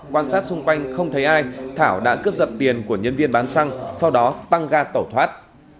quan sát xung quanh không thấy ai thảo đã cướp giật tiền của nhân viên bán xăng sau đó tăng ga tẩu thoát